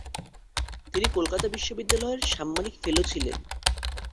তিনি কলকাতা বিশ্ববিদ্যালয়ের সাম্মানিক ফেলো ছিলেন।